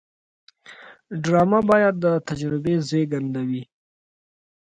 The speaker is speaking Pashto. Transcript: ډرامه باید د تجربې زیږنده وي